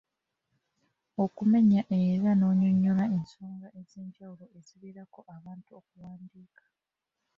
Okumenya era n'onnyonnyola ensonga ez'enjawulo eziviirako abantu okuwandiika.